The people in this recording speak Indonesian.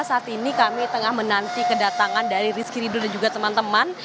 saat ini kami tengah menanti kedatangan dari rizky ridho dan juga teman teman